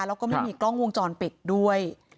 แล้วก็ไม่มีกล้องวงจรปิดด้วย